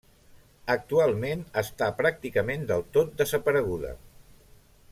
Actualment està pràcticament del tot desapareguda.